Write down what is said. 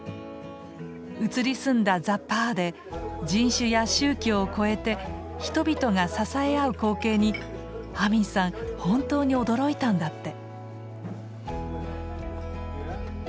移り住んだザ・パーで人種や宗教を超えて人々が支え合う光景にアミンさん本当に驚いたんだって。